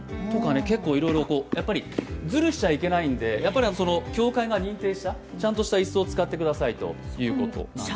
結構いろいろずるしちゃいけないんでやっぱり協会が認定したちゃんとした椅子を使ってくださいということです。